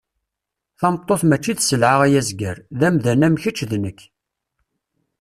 Tameṭṭut mači d selɛa ay azger, d amdan am keč d nek.